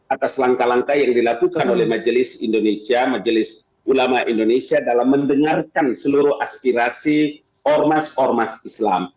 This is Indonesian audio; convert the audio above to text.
atas langkah langkah yang dilakukan oleh majelis indonesia majelis ulama indonesia dalam mendengarkan seluruh aspirasi ormas ormas islam